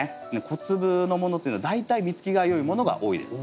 小粒のものっていうのは大体実つきが良いものが多いです。